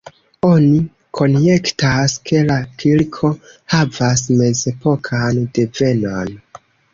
Oni konjektas, ke la kirko havas mezepokan devenon.